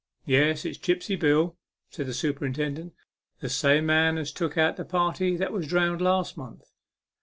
" Yes, it's Gripsy Bill," said the superin tendent " the same man as took out the party that was drowned last month."